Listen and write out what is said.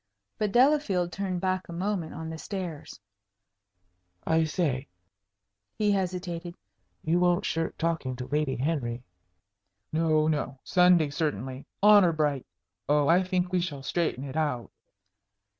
But Delafield turned back a moment on the stairs. "I say" he hesitated "you won't shirk talking to Lady Henry?" "No, no. Sunday, certainly honor bright. Oh, I think we shall straighten it out."